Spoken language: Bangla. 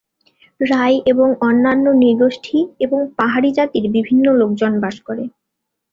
রাই এবং অন্যান্য নৃগোষ্ঠী এবং পাহাড়ি জাতির বিভিন্ন লোকজন বাস করে।